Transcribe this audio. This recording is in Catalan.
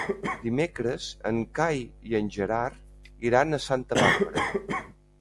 Dimecres en Cai i en Gerard iran a Santa Bàrbara.